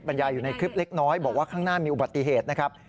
บรรยายอยู่ในคลิปเล็กน้อยบอกว่าข้างหน้ามีอุบัติเหตุนะครับ